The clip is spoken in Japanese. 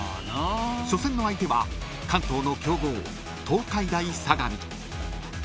［初戦の相手は関東の強豪東海大相模］